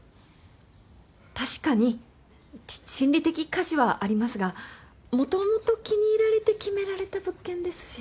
確かに心理的かしはありますがもともと気に入られて決められた物件ですし。